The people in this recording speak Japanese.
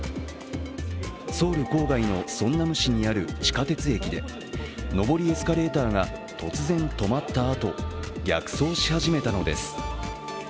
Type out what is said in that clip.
ソウル郊外のソンナム市にある地下鉄駅で、上りエスカレーターが突然、止まったあと逆走し始めたのです。